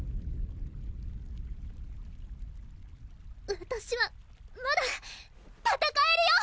わたしはまだ戦えるよ！